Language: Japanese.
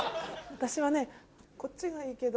私はね。